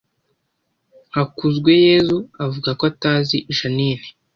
Hakuzweyezu avuga ko atazi Jeaninne